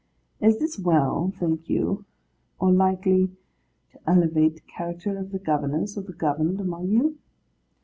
Is this well, think you, or likely to elevate the character of the governors or the governed, among you?